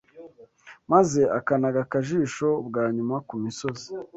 maze akanaga akajisho bwa nyuma ku misozi